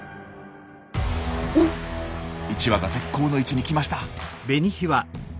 １羽が絶好の位置に来ました。